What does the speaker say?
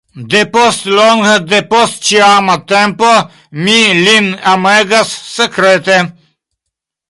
Depost longa, depost ĉiama tempo, mi lin amegas sekrete.